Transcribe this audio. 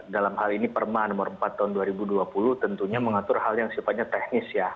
dalam hal ini perma nomor empat tahun dua ribu dua puluh tentunya mengatur hal yang sifatnya teknis ya